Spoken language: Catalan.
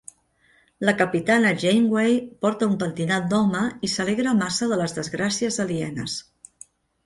La capitana Janeway porta un pentinat d'home i s'alegra massa de les desgràcies alienes.